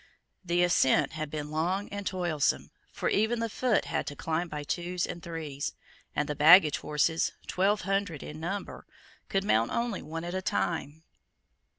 The ascent had been long and toilsome: for even the foot had to climb by twos and threes; and the baggage horses, twelve hundred in number, could mount only one at a time.